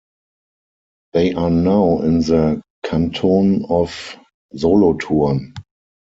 They are now in the Canton of Solothurn.